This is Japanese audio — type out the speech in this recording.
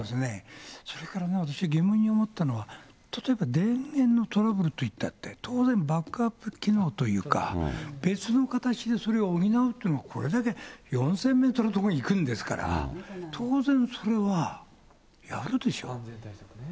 それからね、私、疑問に思ったのは、例えば電源のトラブルといったって、当然、バックアップ機能というか、別の形でそれを補うっていうの、これだけ、４０００メートルの所に行くんですから、当然それはやるでしょう。